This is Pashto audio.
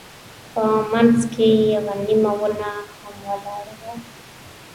په منځ کې یوه نیمه ونه هم ولاړه وه.